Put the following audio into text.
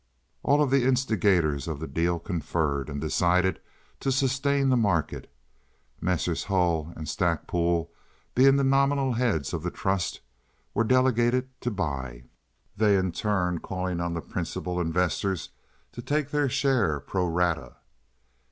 All of the instigators of the deal conferred, and decided to sustain the market. Messrs. Hull and Stackpole, being the nominal heads of the trust, were delegated to buy, they in turn calling on the principal investors to take their share, pro rata.